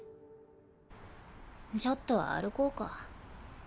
ちょっと歩こうか。